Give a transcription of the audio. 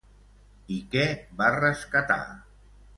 I què va rescatar?